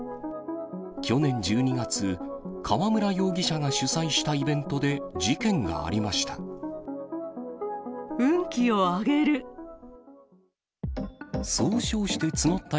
去年１２月、川村容疑者が主催したイベントで事件がありました。